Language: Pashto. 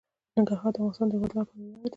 ننګرهار د افغانستان د هیوادوالو لپاره ویاړ دی.